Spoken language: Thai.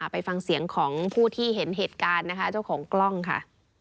ไปฟังเสียงของผู้ที่เห็นเหตุการณ์นะคะเจ้าของกล้องค่ะ